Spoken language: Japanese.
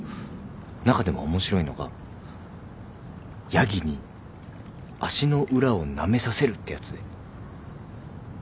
中でも面白いのがヤギに足の裏をなめさせるってやつで。